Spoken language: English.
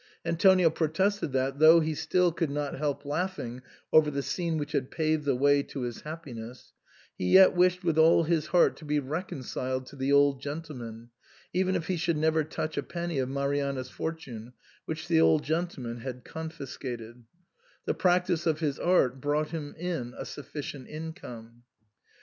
Antonio protested that, though still he could not help laughing over the scene which had paved the way to his happiness, he yet wished with all his heart to be reconciled to the old gentleman, even if he should never touch a penny of Marianna's fortune, which the old gentleman had confiscated ; the practice of his art brought him in a sufficient income.